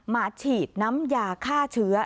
ฉีดน้ำยาฆ่าเชื้อ